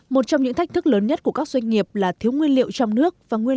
một trong những thách thức lớn nhất của các doanh nghiệp là thiếu nguyên liệu trong nước và nguyên